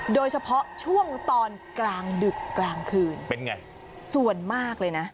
โดยเฉพาะช่วงตอนกลางดึกกลางคืนเป็นไงส่วนมากเลยนะ